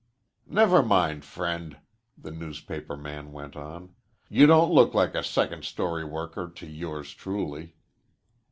"Never mind, friend," the newspaper man went On. "You don't look like a second story worker to yours truly."